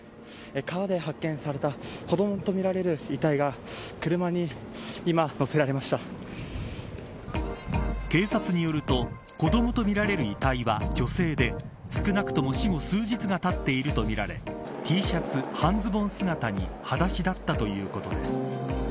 川で発見された子どもとみられる遺体が警察によると子どもとみられる遺体は女性で少なくとも死後数日がたっているとみられＴシャツ半ズボン姿にはだしだったということです。